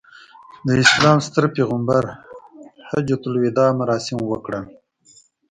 د اسلام ستر پیغمبر حجته الوداع مراسم وکړل.